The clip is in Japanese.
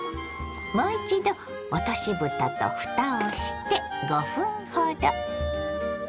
もう一度落としぶたとふたをして５分ほど。